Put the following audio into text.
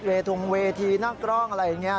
ทงเวทีหน้ากล้องอะไรอย่างนี้